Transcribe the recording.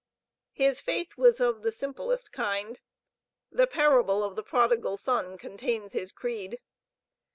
His faith was of the simplest kind the Parable of the prodigal son, contains his creed.